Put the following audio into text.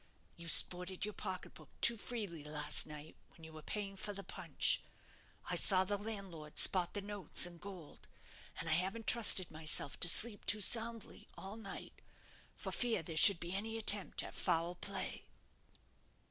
You sported your pocket book too freely last night, when you were paying for the punch. I saw the landlord spot the notes and gold, and I haven't trusted myself to sleep too soundly all night, for fear there should be any attempt at foul play."